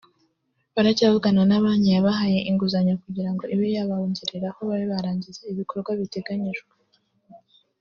Baracyavugana na banki yabahaye inguzanyo kugira ngo ibe yabongereraho babe barangiza ibikorwa biteganijwe